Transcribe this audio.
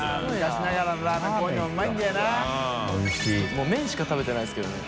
もう麺しか食べてないですけどね。